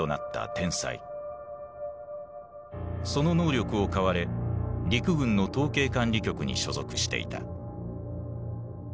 その能力を買われ陸軍の統計管理局に所属していた。